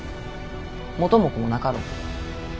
元も子もなかろう？